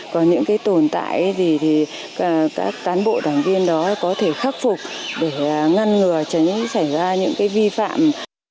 còn những cái tồn tại thì các cán bộ đảng viên đó có thể khắc phục để ngăn ngừa tránh xảy ra những cái vi phạm